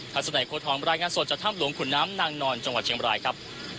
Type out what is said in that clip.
ลักษณะโคทองรายงานสดจากถ้ำหลวงขุนน้ำนางนอนจังหวัดเชียงบรายครับ